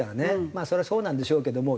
まあそれはそうなんでしょうけども。